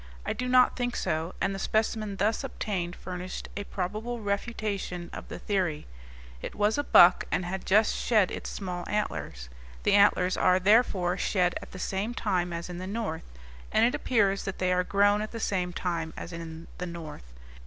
I do not think so; and the specimen thus obtained furnished a probable refutation of the theory. It was a buck, and had just shed its small antlers. The antlers are, therefore, shed at the same time as in the north, and it appears that they are grown at the same time as in the north.